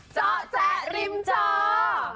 เจาะแจ๊ะริมเจาะ